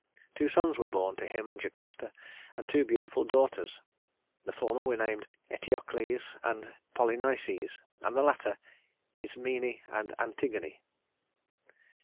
Two sons were born to him and Jocasta, and two beautiful daughters. The former were named Eteocles and Polynices, and the latter Ismene and Antigone.